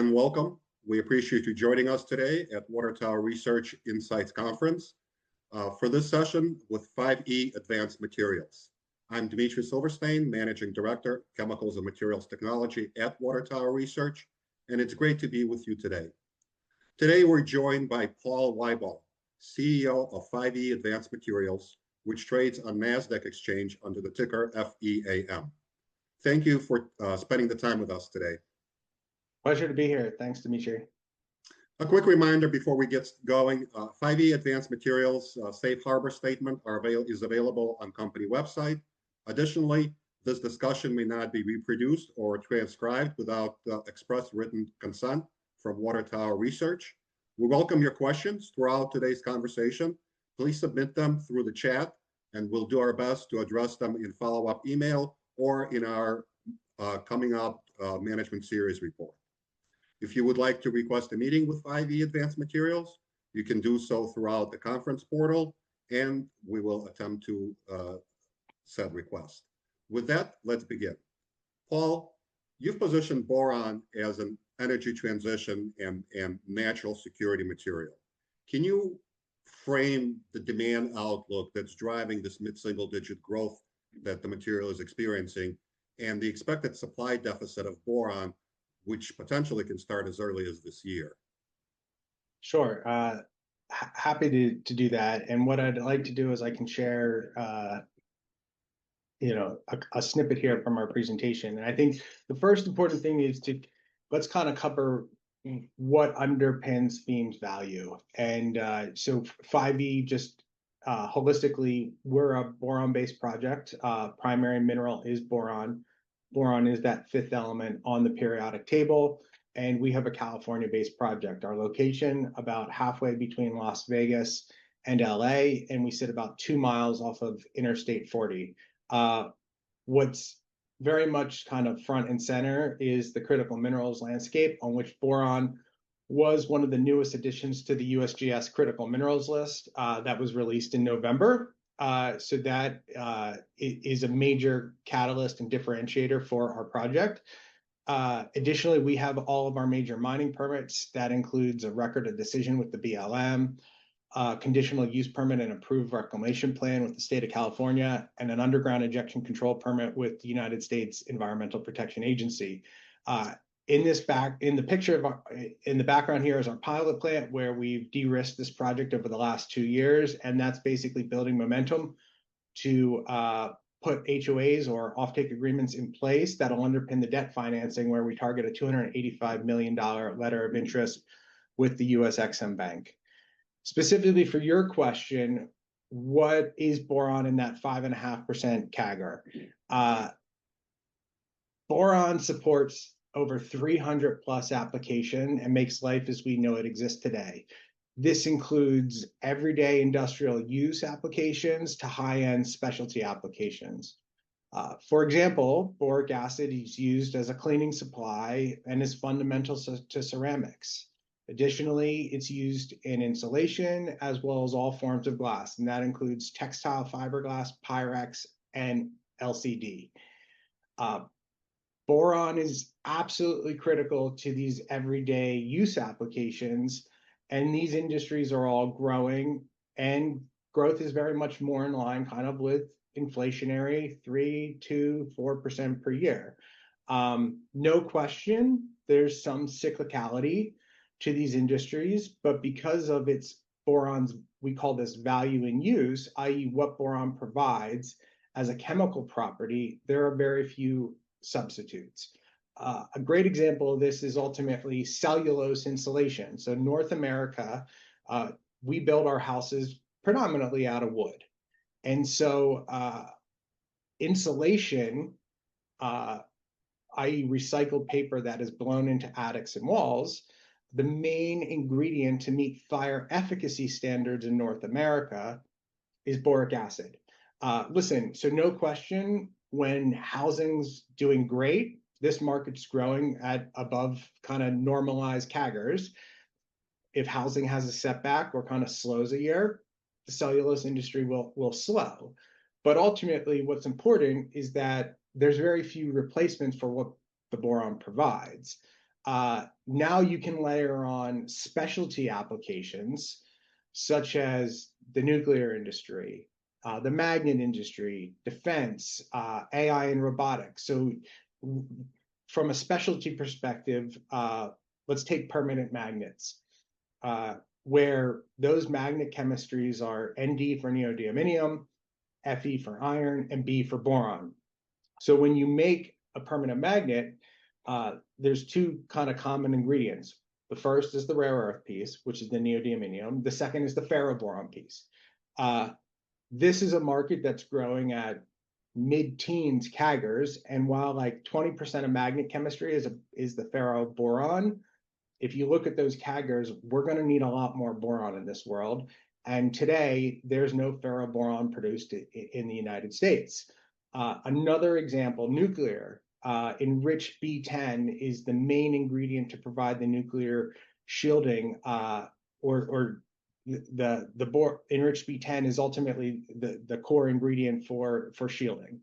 Hello and welcome. We appreciate you joining us today at Water Tower Research insights conference for this session with 5E Advanced Materials. I'm Dmitry Silverstein, Managing Director, Chemicals and Materials Technology at Water Tower Research, and it's great to be with you today. Today, we're joined by Paul Weibel, CEO of 5E Advanced Materials, which trades on Nasdaq Exchange under the ticker FEAM. Thank you for spending the time with us today. Pleasure to be here. Thanks, Dmitry. A quick reminder before we get going. 5E Advanced Materials' safe harbor statement is available on company website. Additionally, this discussion may not be reproduced or transcribed without the express written consent from Water Tower Research. We welcome your questions throughout today's conversation. Please submit them through the chat, and we'll do our best to address them in follow-up email or in our coming up management series report. If you would like to request a meeting with 5E Advanced Materials, you can do so throughout the conference portal, and we will attempt to set a request. With that, let's begin. Paul, you've positioned boron as an energy transition and national security material. Can you frame the demand outlook that's driving this mid-single-digit growth that the material is experiencing and the expected supply deficit of boron, which potentially can start as early as this year? Sure. Happy to do that. What I'd like to do is I can share a snippet here from our presentation. I think the first important thing, let's cover what underpins [team's] value. 5E just holistically, we're a boron-based project. Primary mineral is boron. Boron is that fifth element on the periodic table, and we have a California-based project. Our location, about halfway between Las Vegas and L.A., and we sit about two miles off of Interstate 40. What's very much front and center is the critical minerals landscape on which boron was one of the newest additions to the USGS critical minerals list, that was released in November. That is a major catalyst and differentiator for our project. Additionally, we have all of our major mining permits. That includes a Record of Decision with the BLM, a Conditional Use Permit and approved reclamation plan with the State of California, and an Underground Injection Control permit with the United States Environmental Protection Agency. In the background here is our pilot plant where we've de-risked this project over the last two years, and that's basically building momentum to put HOAs or offtake agreements in place that'll underpin the debt financing where we target a $285 million letter of interest with the U.S. EXIM Bank. Specifically for your question, what is boron in that 5.5% CAGR? Boron supports over 300+ applications and makes life as we know it exist today. This includes everyday industrial use applications to high-end specialty applications. For example, boric acid is used as a cleaning supply and is fundamental to ceramics. Additionally, it's used in insulation as well as all forms of glass, and that includes textile fiberglass, Pyrex, and LCD. Boron is absolutely critical to these everyday use applications, and these industries are all growing, and growth is very much more in line with inflationary 3%, 2%, 4% per year. No question, there's some cyclicality to these industries, but because of its boron, we call this value in use, i.e., what boron provides as a chemical property, there are very few substitutes. A great example of this is ultimately cellulose insulation. North America, we build our houses predominantly out of wood. Insulation, i.e., recycled paper that is blown into attics and walls, the main ingredient to meet fire efficacy standards in North America is boric acid. Listen, no question when housing's doing great, this market's growing at above normalized CAGRs. If housing has a setback or slows a year, the cellulose industry will slow. Ultimately, what's important is that there's very few replacements for what the boron provides. Now you can layer on specialty applications such as the nuclear industry, the magnet industry, defense, AI, and robotics. From a specialty perspective, let's take permanent magnets, where those magnet chemistries are Nd for neodymium, Fe for iron, and B for boron. When you make a permanent magnet, there's two common ingredients. The first is the rare earth piece, which is the neodymium. The second is the ferroboron piece. This is a market that's growing at mid-teens CAGRs, and while like 20% of magnet chemistry is the ferroboron, if you look at those CAGRs, we're going to need a lot more boron in this world. Today, there's no ferroboron produced in the United States. Another example, nuclear. The enriched B10 is ultimately the core ingredient for shielding.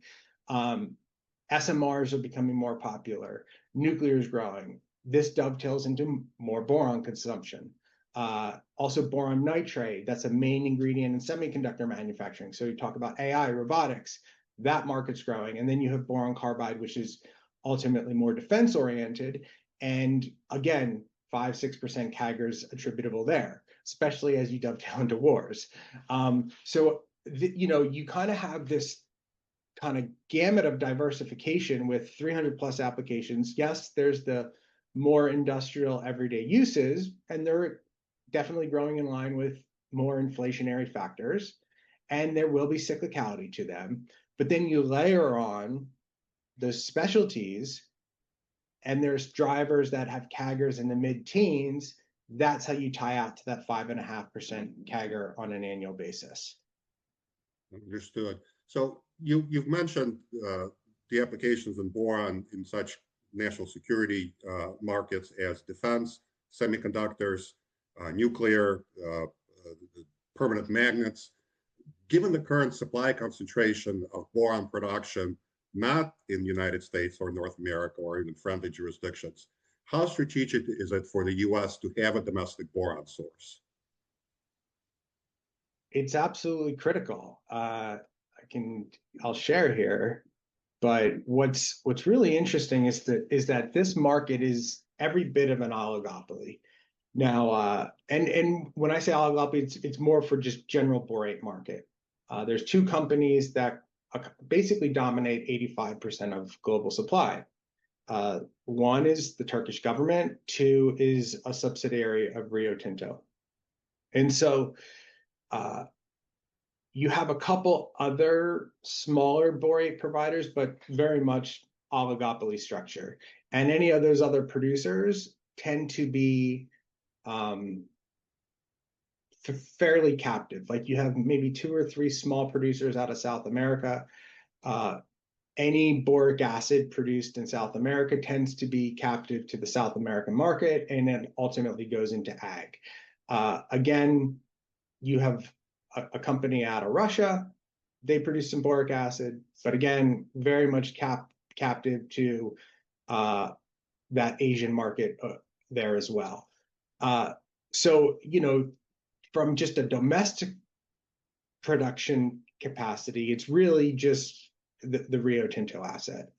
SMRs are becoming more popular. Nuclear is growing. This dovetails into more boron consumption. Also, boron nitride, that's a main ingredient in semiconductor manufacturing. You talk about AI, robotics, that market's growing, and then you have boron carbide, which is ultimately more defense-oriented, and again, 5%, 6% CAGRs attributable there, especially as you dovetail into wars. You have this gamut of diversification with 300+ applications. Yes, there's the more industrial, everyday uses, and they're definitely growing in line with more inflationary factors, and there will be cyclicality to them. You layer on the specialties, and there's drivers that have CAGRs in the mid-teens. That's how you tie out to that 5.5% CAGR on an annual basis. Understood. You've mentioned the applications in boron in such national security markets as defense, semiconductors, nuclear, permanent magnets. Given the current supply concentration of boron production, not in the United States or North America, or even friendly jurisdictions, how strategic is it for the U.S. to have a domestic boron source? It's absolutely critical. I'll share here, but what's really interesting is that this market is every bit of an oligopoly. When I say oligopoly, it's more for just general borate market. There's two companies that basically dominate 85% of global supply. One is the Turkish government, two is a subsidiary of Rio Tinto. You have a couple other smaller borate providers, but very much oligopoly structure. Any of those other producers tend to be fairly captive. Like, you have maybe two or three small producers out of South America. Any boric acid produced in South America tends to be captive to the South American market, and then ultimately goes into ag. Again, you have a company out of Russia. They produce some boric acid, but again, very much captive to that Asian market there as well. From just a domestic production capacity, it's really just the Rio Tinto asset.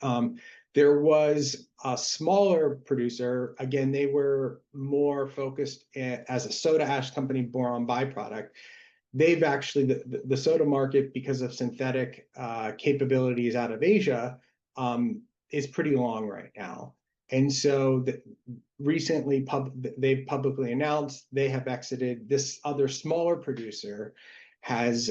There was a smaller producer. Again, they were more focused as a soda ash company, boron byproduct. The soda market, because of synthetic capabilities out of Asia, is pretty long right now. Recently they've publicly announced this other smaller producer has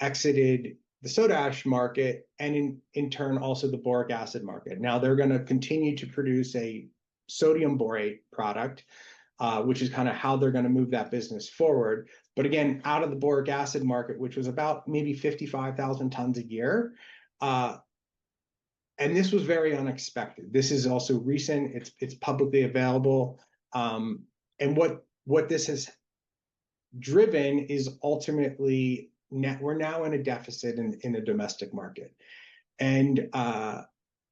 exited the soda ash market, and in turn, also the boric acid market. Now they're going to continue to produce a sodium borate product, which is how they're going to move that business forward, again, out of the boric acid market, which was about maybe 55,000 tons a year. This was very unexpected. This is also recent. It's publicly available. What this has driven is ultimately, we're now in a deficit in the domestic market.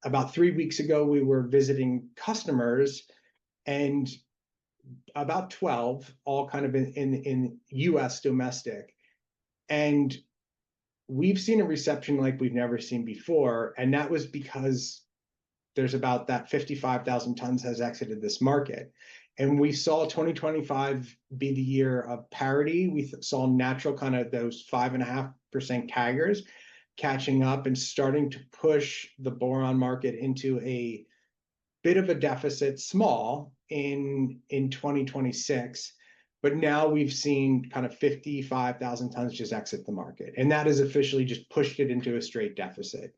About three weeks ago, we were visiting customers, and about 12, all kind of in U.S. domestic, and we've seen a reception like we've never seen before, and that was because there's about that 55,000 tons has exited this market. We saw 2025 be the year of parity. We saw natural, kind of those 5.5% CAGRs catching up and starting to push the boron market into a bit of a deficit, small, in 2026. Now we've seen 55,000 tons just exit the market. That has officially just pushed it into a straight deficit.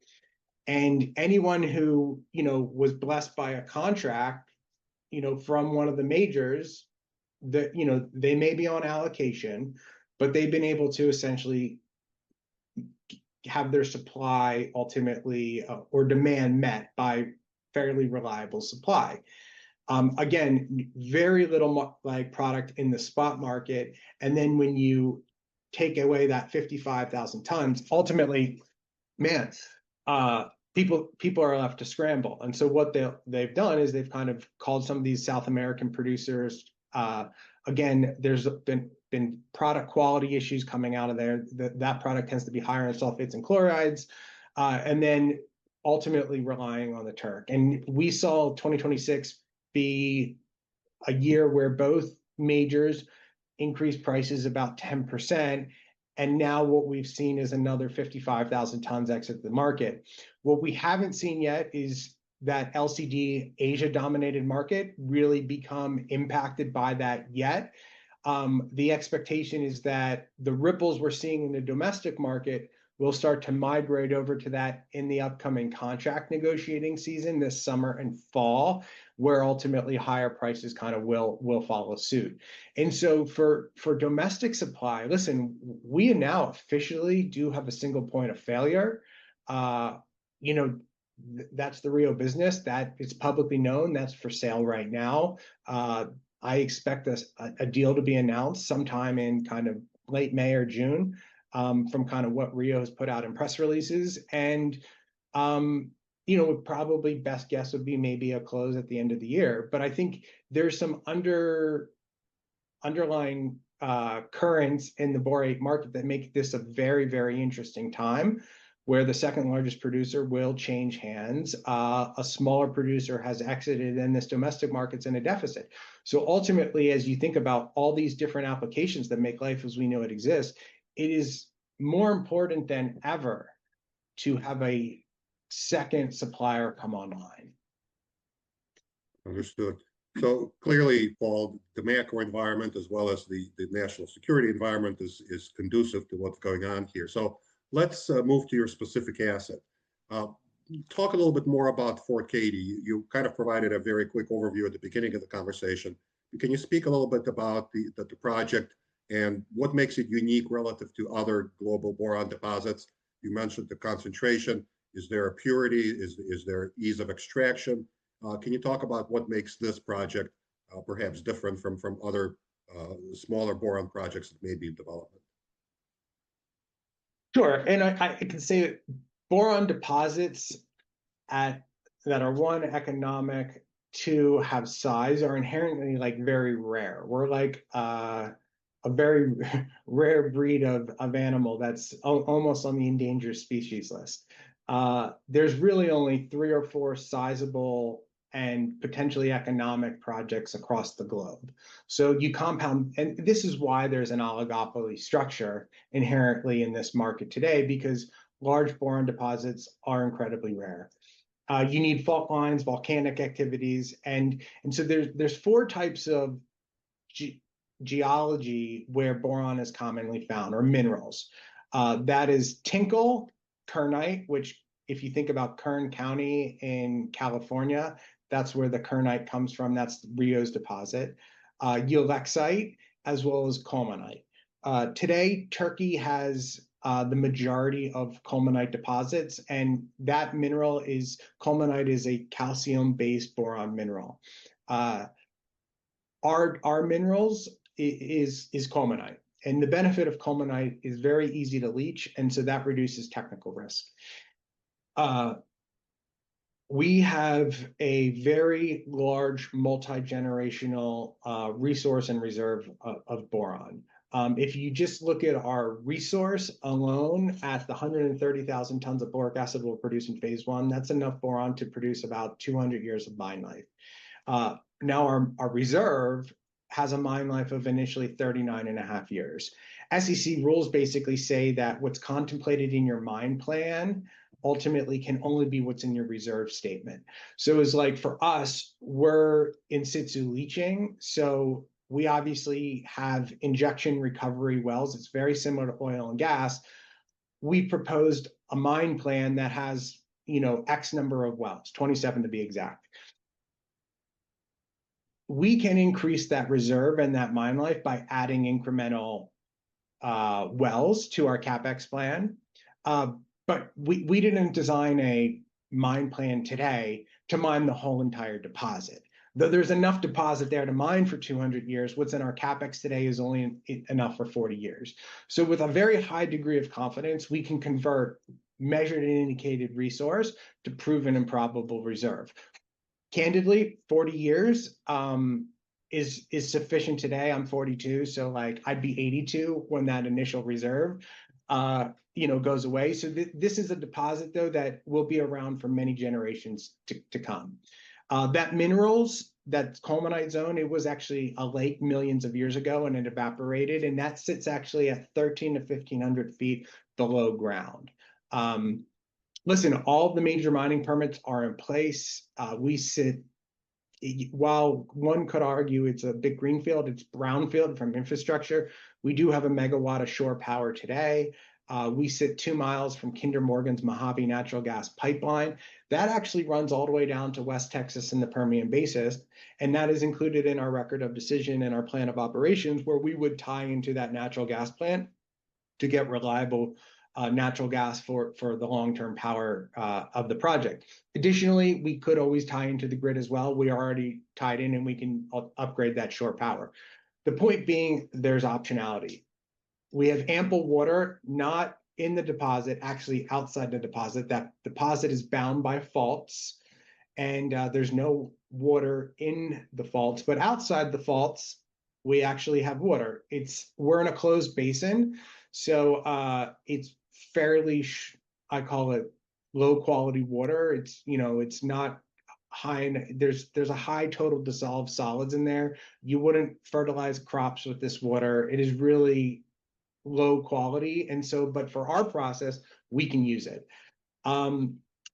Anyone who was blessed by a contract from one of the majors, they may be on allocation, but they've been able to essentially have their supply ultimately, or demand met by fairly reliable supply. Again, very little product in the spot market. When you take away that 55,000 tons, ultimately, [math], people are left to scramble. What they've done is they've kind of called some of these South American producers. Again, there's been product quality issues coming out of there. That product tends to be higher in sulfates and chlorides, ultimately relying on the Turk. We saw 2026 be a year where both majors increased prices about 10%, and now what we've seen is another 55,000 tons exit the market. What we haven't seen yet is that LCD Asia-dominated market really become impacted by that yet. The expectation is that the ripples we're seeing in the domestic market will start to migrate over to that in the upcoming contract negotiating season this summer and fall, where ultimately higher prices will follow suit. For domestic supply, listen, we now officially do have a single point of failure. You know, that's the Rio business. That is publicly known. That's for sale right now. I expect a deal to be announced sometime in kind of late May or June from what Rio's put out in press releases. Probably best guess would be maybe a close at the end of the year. I think there's some underlying currents in the borate market that make this a very, very interesting time, where the second largest producer will change hands. A smaller producer has exited, and this domestic market's in a deficit. Ultimately, as you think about all these different applications that make life as we know it exist, it is more important than ever to have a second supplier come online. Understood. Clearly, Paul, the macro environment as well as the national security environment is conducive to what's going on here. Let's move to your specific asset. Talk a little bit more about Fort Cady. You kind of provided a very quick overview at the beginning of the conversation. Can you speak a little bit about the project and what makes it unique relative to other global boron deposits? You mentioned the concentration. Is there a purity? Is there ease of extraction? Can you talk about what makes this project perhaps different from other smaller boron projects that may be in development? Sure. I can say boron deposits that are, one, economic, two, have size, are inherently very rare. We're like a very rare breed of animal that's almost on the endangered species list. There's really only three or four sizable and potentially economic projects across the globe. This is why there's an oligopoly structure inherently in this market today, because large boron deposits are incredibly rare. You need fault lines, volcanic activities. There's four types of geology where boron is commonly found, or minerals. That is tincal, kernite, which if you think about Kern County in California, that's where the kernite comes from. That's Rio's deposit. Ulexite, as well as colemanite. Today, Turkey has the majority of colemanite deposits, and that mineral, colemanite, is a calcium-based boron mineral. Our minerals is colemanite. The benefit of colemanite is very easy to leach. That reduces technical risk. We have a very large multigenerational resource and reserve of boron. If you just look at our resource alone at the 130,000 tons of boric acid we'll produce in phase I, that's enough boron to produce about 200 years of mine life. Now our reserve has a mine life of initially 39.5 Years. SEC rules basically say that what's contemplated in your mine plan ultimately can only be what's in your reserve statement. It's like for us, we're in-situ leaching, so we obviously have injection recovery wells. It's very similar to oil and gas. We proposed a mine plan that has X number of wells, 27 to be exact. We can increase that reserve and that mine life by adding incremental wells to our CapEx plan. We didn't design a mine plan today to mine the whole entire deposit. Though there's enough deposit there to mine for 200 years, what's in our CapEx today is only enough for 40 years. With a very high degree of confidence, we can convert measured and indicated resource to proven and probable reserve. Candidly, 40 years is sufficient today. I'm 42, so I'd be 82 when that initial reserve goes away. This is a deposit, though, that will be around for many generations to come. That colemanite zone, it was actually a lake millions of years ago, and it evaporated, and that sits actually at 1,300 ft-1,500 ft below ground. Listen, all the major mining permits are in place. While one could argue it's a big greenfield, it's brownfield from infrastructure. We do have a megawatt of shore power today. We sit 2 mi from Kinder Morgan's Mojave Natural Gas Pipeline. That actually runs all the way down to West Texas in the Permian Basin, and that is included in our Record of Decision and our plan of operations, where we would tie into that natural gas plant to get reliable natural gas for the long-term power of the project. Additionally, we could always tie into the grid as well. We are already tied in, and we can upgrade that shore power. The point being, there's optionality. We have ample water, not in the deposit, actually outside the deposit. That deposit is bound by faults, and there's no water in the faults. Outside the faults, we actually have water. We're in a closed basin. I call it low-quality water. There's a high total dissolved solids in there. You wouldn't fertilize crops with this water. It is really low quality. For our process, we can use it.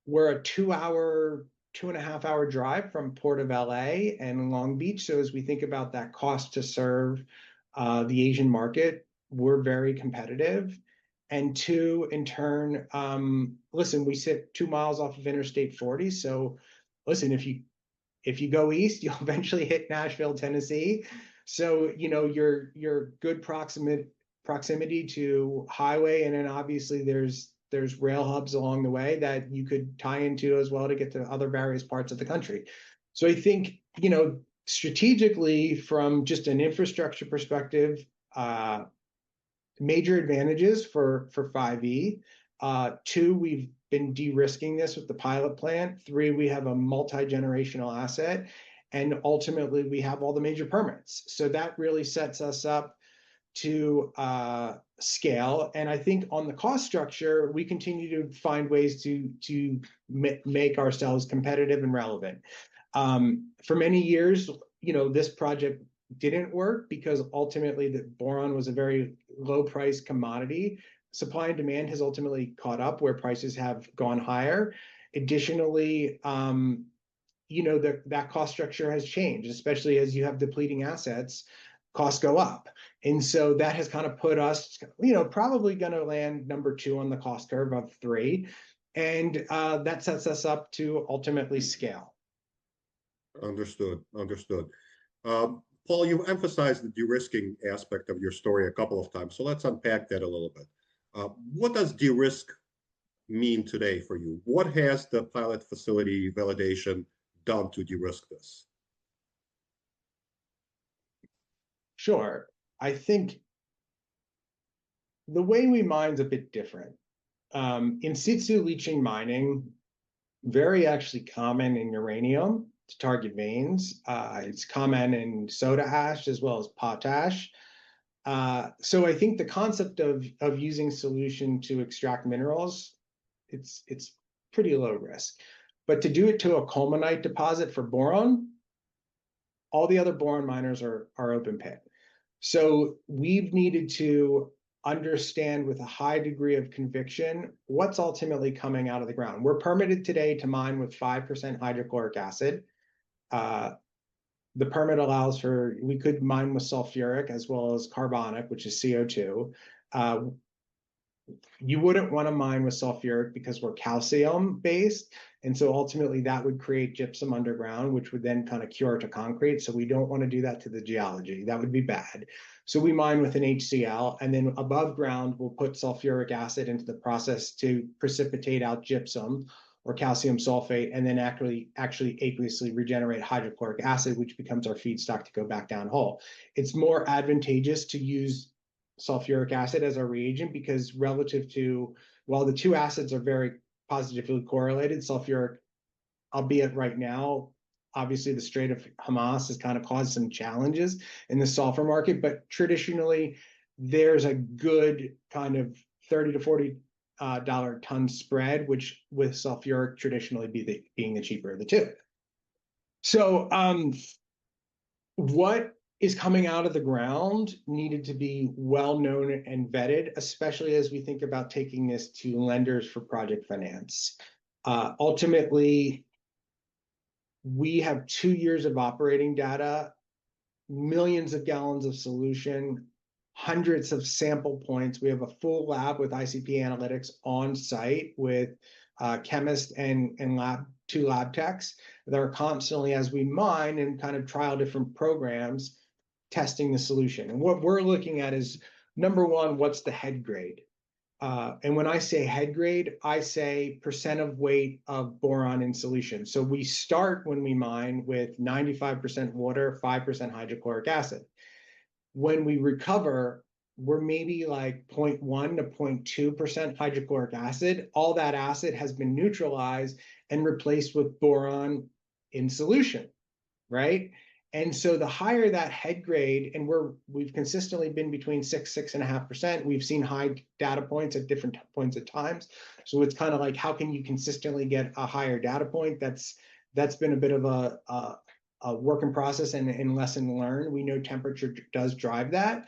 We're a two and a half hour drive from Port of L.A. and Long Beach, so as we think about that cost to serve the Asian market, we're very competitive. Two, in turn, listen, we sit two miles off of Interstate 40, so listen, if you go east, you'll eventually hit Nashville, Tennessee. You're good proximity to highway, and then obviously there's rail hubs along the way that you could tie into as well to get to other various parts of the country. I think, strategically from just an infrastructure perspective, major advantages for 5E. Two, we've been de-risking this with the pilot plant. Three, we have a multi-generational asset, and ultimately we have all the major permits. That really sets us up to scale. I think on the cost structure, we continue to find ways to make ourselves competitive and relevant. For many years this project didn't work because ultimately the boron was a very low price commodity. Supply and demand has ultimately caught up where prices have gone higher. Additionally, that cost structure has changed, especially as you have depleting assets, costs go up. That has put us, probably going to land number two on the cost curve of three, and that sets us up to ultimately scale. Understood. Paul, you emphasized the de-risking aspect of your story a couple of times, so let's unpack that a little bit. What does de-risk mean today for you? What has the pilot facility validation done to de-risk this? Sure. I think the way we mine's a bit different. In-situ leaching mining, very actually common in uranium to target veins. It's common in soda ash as well as potash. I think the concept of using solution to extract minerals, it's pretty low risk. To do it to a colemanite deposit for boron, all the other boron miners are open pit. We've needed to understand with a high degree of conviction what's ultimately coming out of the ground. We're permitted today to mine with 5% hydrochloric acid. The permit allows for, we could mine with sulfuric as well as carbonic, which is CO2. You wouldn't want to mine with sulfuric because we're calcium based, and so ultimately that would create gypsum underground, which would then cure to concrete. We don't want to do that to the geology. That would be bad. We mine with an HCl, and then aboveground we'll put sulfuric acid into the process to precipitate out gypsum or calcium sulfate, and then actually azeotropically regenerate hydrochloric acid, which becomes our feedstock to go back downhole. It's more advantageous to use sulfuric acid as our reagent because while the two acids are very positively correlated, sulfuric, albeit right now, obviously the Strait of Hormuz has caused some challenges in the sulfur market. Traditionally there's a good $30-$40 ton spread, which with sulfuric traditionally being the cheaper of the two. What is coming out of the ground needed to be well known and vetted, especially as we think about taking this to lenders for project finance. Ultimately, we have two years of operating data, millions of gallons of solution, hundreds of sample points. We have a full lab with ICP Analytics on site with a chemist and two lab techs that are constantly, as we mine and trial different programs, testing the solution. What we're looking at is, number one, what's the head grade? When I say head grade, I say percent of weight of boron in solution. We start when we mine with 95% water, 5% hydrochloric acid. When we recover, we're maybe 0.1%, 0.2% hydrochloric acid. All that acid has been neutralized and replaced with boron in solution. Right? The higher that head grade, and we've consistently been between 6% and 6.5%, we've seen high data points at different points at times. It's like how can you consistently get a higher data point? That's been a bit of a work in process and lesson learned. We know temperature does drive that.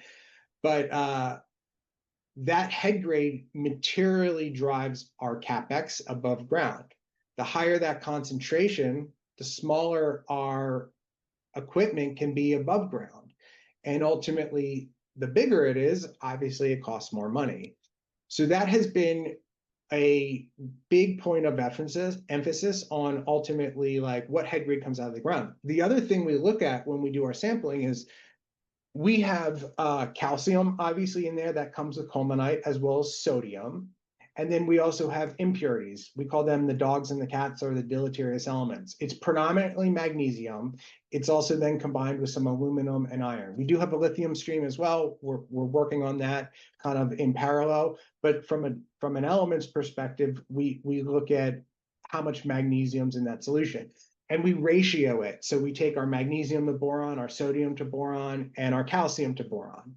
That head grade materially drives our CapEx above ground. The higher that concentration, the smaller our equipment can be above ground. Ultimately, the bigger it is, obviously it costs more money. That has been a big point of emphasis on ultimately what head grade comes out of the ground. The other thing we look at when we do our sampling is we have calcium, obviously, in there that comes with colemanite, as well as sodium, and then we also have impurities. We call them the dogs and the cats, or the deleterious elements. It's predominantly magnesium. It's also then combined with some aluminum and iron. We do have a lithium stream as well. We're working on that in parallel. From an elements perspective, we look at how much magnesium's in that solution, and we ratio it. We take our magnesium to boron, our sodium to boron, and our calcium to boron.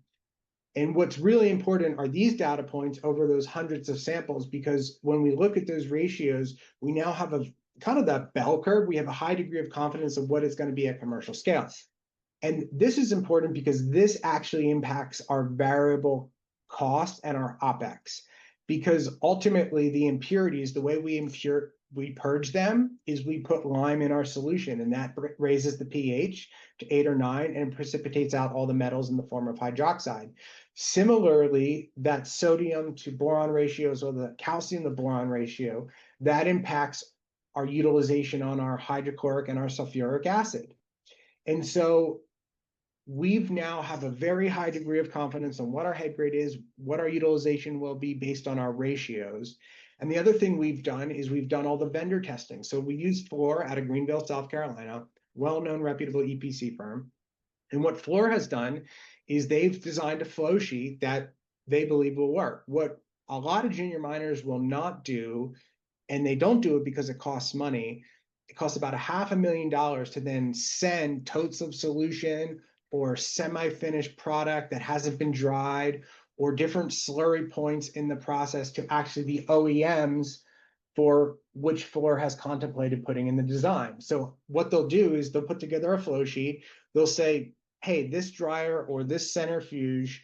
What's really important are these data points over those hundreds of samples because when we look at those ratios, we now have that bell curve. We have a high degree of confidence of what is going to be at commercial scales. This is important because this actually impacts our variable cost and our OpEx. Because ultimately the impurities, the way we purge them is we put lime in our solution and that raises the pH to eight or nine and precipitates out all the metals in the form of hydroxide. Similarly, that sodium to boron ratios or the calcium to boron ratio, that impacts our utilization on our hydrochloric and our sulfuric acid. We now have a very high degree of confidence in what our head grade is, what our utilization will be based on our ratios, and the other thing we've done is we've done all the vendor testing. We used Fluor out of Greenville, South Carolina, well-known reputable EPC firm, and what Fluor has done is they've designed a flow sheet that they believe will work. What a lot of junior miners will not do, and they don't do it because it costs money, it costs about $500,000 to then send totes of solution or semi-finished product that hasn't been dried or different slurry points in the process to actually the OEMs for which Fluor has contemplated putting in the design. What they'll do is they'll put together a flow sheet. They'll say, "Hey, this dryer or this centrifuge,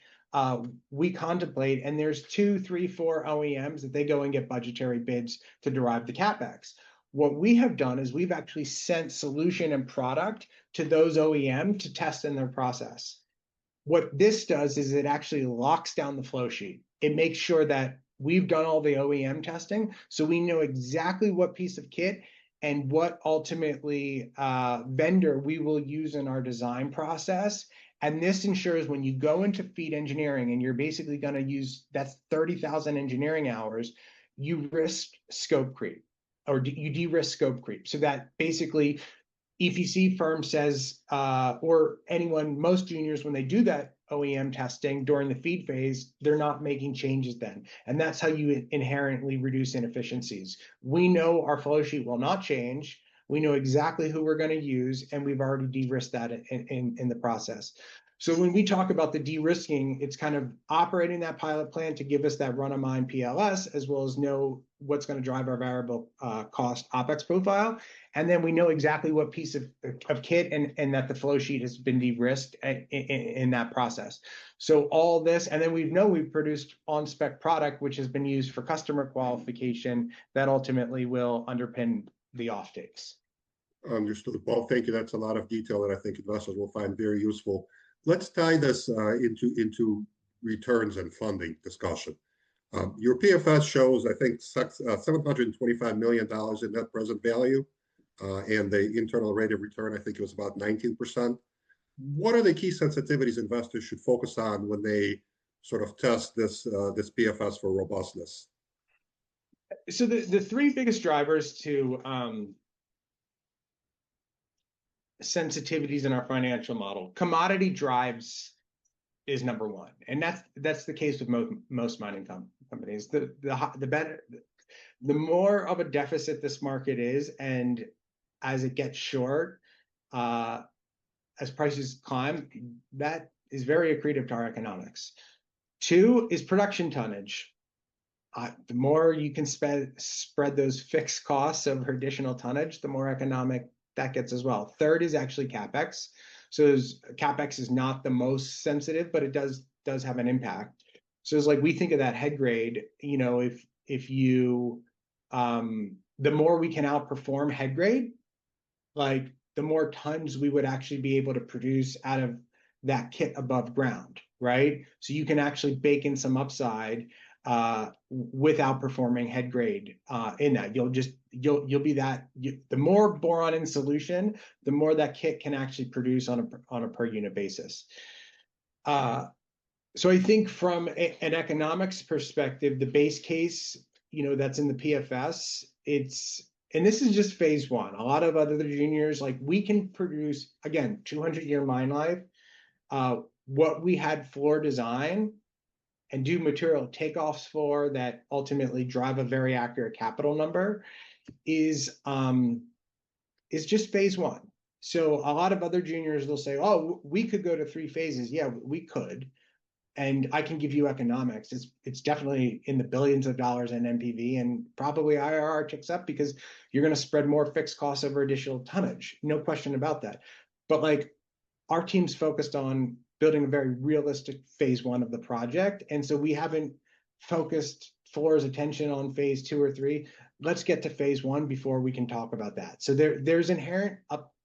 we contemplate," and there's two, three, four OEMs that they go and get budgetary bids to derive the CapEx. What we have done is we've actually sent solution and product to those OEM to test in their process. What this does is it actually locks down the flow sheet. It makes sure that we've done all the OEM testing, so we know exactly what piece of kit and what ultimately vendor we will use in our design process. This ensures when you go into FEED engineering and you're basically going to use that 30,000 engineering hours, you de-risk scope creep. Basically EPC firm says, or anyone, most juniors when they do that OEM testing during the FEED phase, they're not making changes then, and that's how you inherently reduce inefficiencies. We know our flow sheet will not change, we know exactly who we're going to use, and we've already de-risked that in the process. When we talk about the de-risking, it's operating that pilot plant to give us that run-of-mine PLS as well as know what's going to drive our variable cost OpEx profile, and then we know exactly what piece of kit and that the flow sheet has been de-risked in that process. All this, and then we know we've produced on-spec product, which has been used for customer qualification that ultimately will underpin the off-takes. Understood. Paul, thank you. That's a lot of detail that I think investors will find very useful. Let's tie this into returns and funding discussion. Your PFS shows I think $725 million in net present value, and the internal rate of return I think it was about 19%. What are the key sensitivities investors should focus on when they test this PFS for robustness? The three biggest drivers to sensitivities in our financial model. Commodity drives is number one, and that's the case with most mining companies. The more of a deficit this market is and as it gets short, as prices climb, that is very accretive to our economics. Two is production tonnage. The more you can spread those fixed costs over additional tonnage, the more economic that gets as well. Third is actually CapEx. CapEx is not the most sensitive, but it does have an impact. As we think of that head grade, the more we can outperform head grade, the more tons we would actually be able to produce out of that kit above ground. Right? You can actually bake in some upside with outperforming head grade in that. The more boron in solution, the more that kit can actually produce on a per unit basis. I think from an economics perspective, the base case that's in the PFS, and this is just phase I. A lot of other juniors, we can produce, again, 200-year mine life. What we had Fluor design and do material takeoffs for that ultimately drive a very accurate capital number is just phase I. A lot of other juniors will say, "Oh, we could go to three phases." Yeah, we could and I can give you economics. It's definitely in the billions of dollars in NPV and probably IRR ticks up because you're going to spread more fixed costs over additional tonnage, no question about that. Our team's focused on building a very realistic phase I of the project, and so we haven't focused Fluor's attention on phase II or III. Let's get to phase I before we can talk about that. There's inherent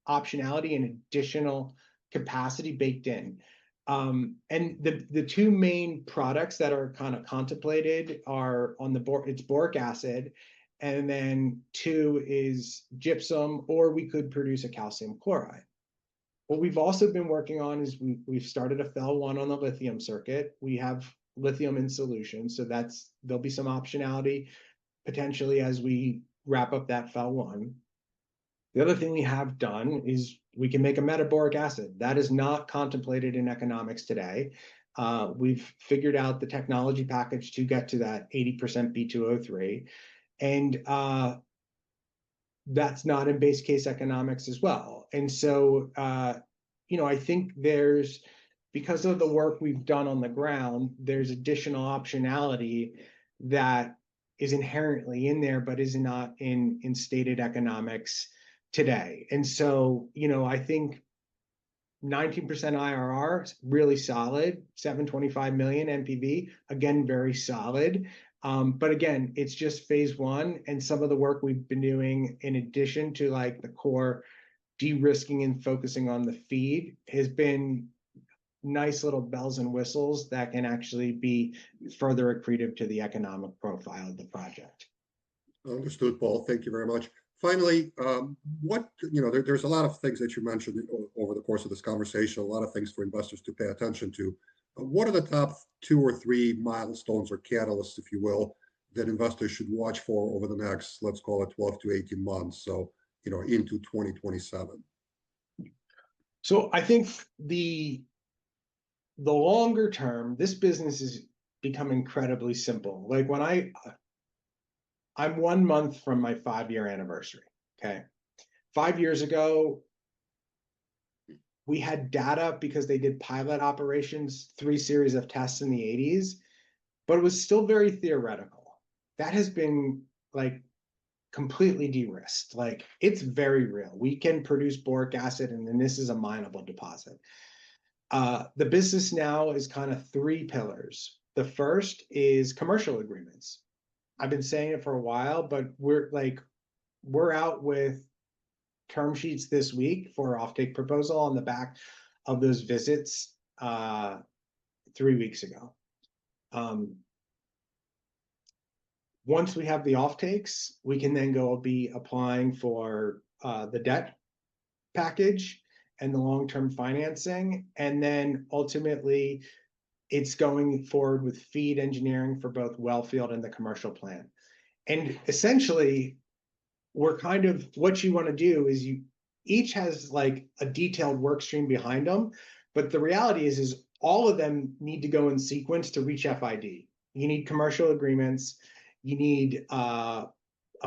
optionality and additional capacity baked in. The two main products that are contemplated, it's boric acid and then two is gypsum or we could produce a calcium chloride. What we've also been working on is we've started a FEL1 on the lithium circuit. We have lithium in solution, so there'll be some optionality potentially as we wrap up that FEL1. The other thing we have done is we can make a metaboric acid. That is not contemplated in economics today. We've figured out the technology package to get to that 80% B2O3, and that's not in base case economics as well. I think because of the work we've done on the ground, there's additional optionality that is inherently in there but is not in stated economics today. I think 19% IRR is really solid, $725 million NPV, again, very solid. Again, it's just phase one and some of the work we've been doing in addition to the core de-risking and focusing on the FEED has been nice little bells and whistles that can actually be further accretive to the economic profile of the project. Understood, Paul. Thank you very much. Finally, there's a lot of things that you mentioned over the course of this conversation, a lot of things for investors to pay attention to. What are the top two or three milestones or catalysts, if you will, that investors should watch for over the next, let's call it 12-18 months, so into 2027? I think the longer-term, this business has become incredibly simple. I'm one month from my five-year anniversary, okay? Five years ago, we had data because they did pilot operations, three series of tests in the 1980s, but it was still very theoretical. That has been completely de-risked. It's very real. We can produce boric acid, and then this is a minable deposit. The business now is three pillars. The first is commercial agreements. I've been saying it for a while, but we're out with term sheets this week for off-take proposal on the back of those visits three weeks ago. Once we have the off-takes, we can then go be applying for the debt package and the long-term financing, and then ultimately it's going forward with FEED engineering for both Wellfield and the commercial plan. Essentially, what you want to do is, each has a detailed work stream behind them, but the reality is all of them need to go in sequence to reach FID. You need commercial agreements, you need a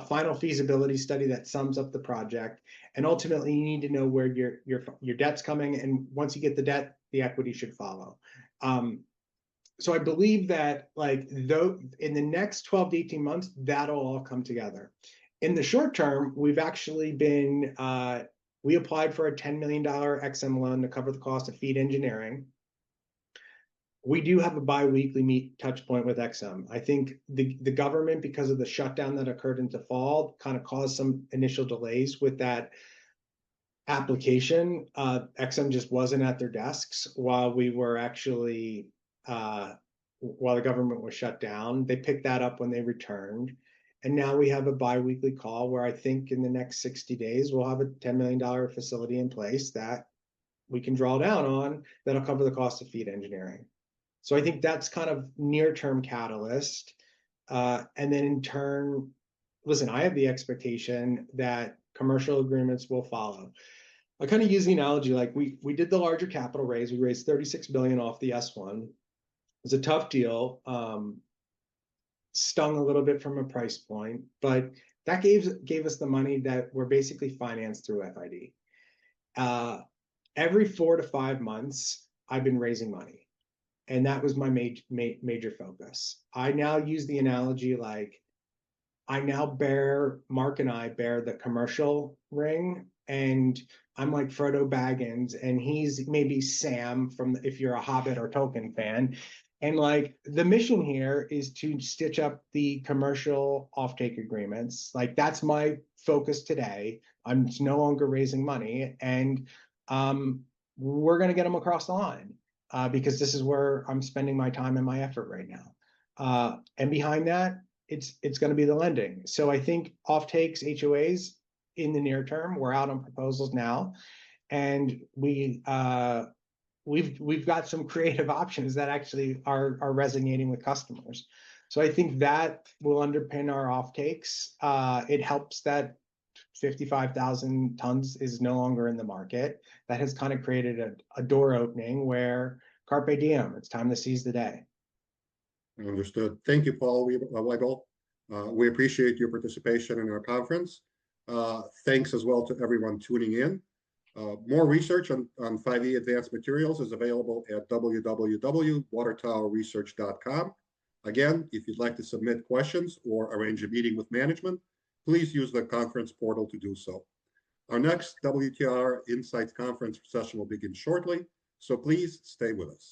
final feasibility study that sums up the project, and ultimately, you need to know where your debt's coming. Once you get the debt, the equity should follow. I believe that in the next 12-18 months, that'll all come together. In the short-term, we applied for a $10 million EXIM loan to cover the cost of FEED engineering. We do have a biweekly meet touch point with EXIM. I think the government, because of the shutdown that occurred in default, caused some initial delays with that application. EXIM just wasn't at their desks while the government was shut down. They picked that up when they returned, and now we have a biweekly call where I think in the next 60 days, we'll have a $10 million facility in place that we can draw down on that'll cover the cost of FEED engineering. I think that's near-term catalyst. In turn, listen, I have the expectation that commercial agreements will follow. I use the analogy, we did the larger capital raise. We raised $36 million off the S-1. It was a tough deal. Stung a little bit from a price point. That gave us the money that we're basically financed through FID. Every four to five months, I've been raising money, and that was my major focus. I now use the analogy, Mark and I bear the commercial ring, and I'm like Frodo Baggins, and he's maybe Sam from, if you're a Hobbit or Tolkien fan. The mission here is to stitch up the commercial off-take agreements. That's my focus today. I'm no longer raising money. We're going to get them across the line, because this is where I'm spending my time and my effort right now. Behind that, it's going to be the lending. I think off-takes, HOAs in the near term. We're out on proposals now, and we've got some creative options that actually are resonating with customers. I think that will underpin our off-takes. It helps that 55,000 tons is no longer in the market. That has created a door opening where carpe diem, it's time to seize the day. Understood. Thank you, Paul Weibel. We appreciate your participation in our conference. Thanks as well to everyone tuning in. More research on 5E Advanced Materials is available at www.watertowerresearch.com. Again, if you'd like to submit questions or arrange a meeting with management, please use the conference portal to do so. Our next WTR Insights conference session will begin shortly, so please stay with us.